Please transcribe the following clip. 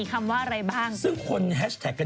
หัวใจคล้ายกันต่อครับ